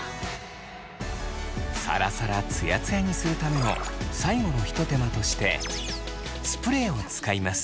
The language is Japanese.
サラサラツヤツヤにするための最後のひと手間としてスプレーを使います。